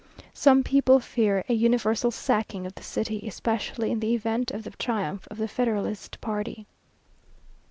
Some people fear a universal sacking of the city, especially in the event of the triumph of the federalist party.